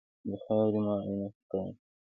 د خاورې معاینه پکار ده.